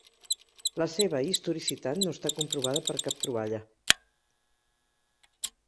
La seva historicitat no està comprovada per cap troballa.